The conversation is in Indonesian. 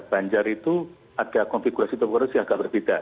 banjar itu ada konfigurasi konversi agak berbeda